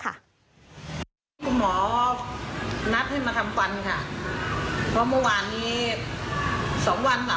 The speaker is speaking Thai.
คุณหมอนัดให้มาทำฟันค่ะ